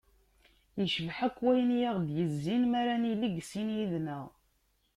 Yecbeḥ akk wayen i ɣ-d-yezzin m'ara nili deg sin yid-neɣ.